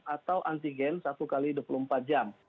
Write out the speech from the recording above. atau antigen satu x dua puluh empat jam